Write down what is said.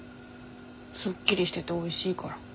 すっきりしてておいしいから。